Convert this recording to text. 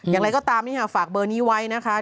อย่างไรก็ตามฝากเบอร์นี้ไว้นะคะ